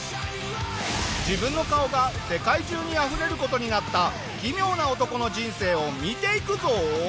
自分の顔が世界中にあふれる事になった奇妙な男の人生を見ていくぞ。